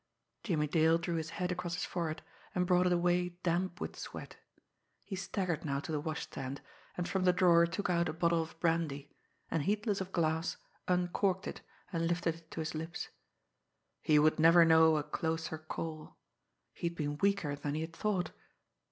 Jimmie Dale drew his hand across his forehead and brought it away damp with sweat. He staggered now to the wash stand, and from the drawer took out a bottle of brandy, and, heedless of glass, uncorked it, and lifted it to his lips. He would never know a closer call! He had been weaker than he had thought!